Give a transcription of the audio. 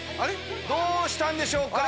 どうしたんでしょうか。